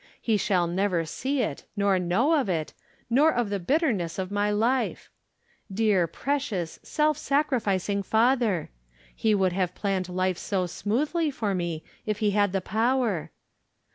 He shall never see it, nor know of it, nor of the bitterness of my life ! Dear, precious, self sacrificing father ! He would have planned life so smoothly for me, if he had the power.